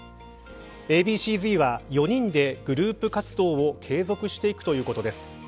Ａ．Ｂ．Ｃ−Ｚは４人でグループ活動を継続していくということです。